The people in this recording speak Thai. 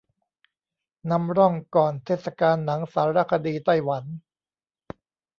นำร่องก่อนเทศกาลหนังสารคดีไต้หวัน